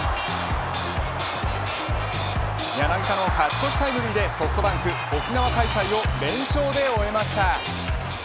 柳田の勝ち越しタイムリーでソフトバンク沖縄開催を連勝で終えました。